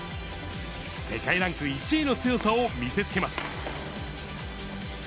世界ランク１位の強さを見せつけます。